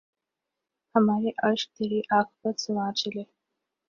ہمارے اشک تری عاقبت سنوار چلے